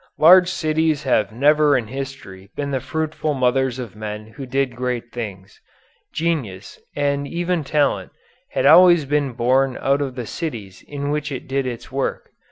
Large cities have never in history been the fruitful mothers of men who did great things. Genius, and even talent, has always been born out of the cities in which it did its work.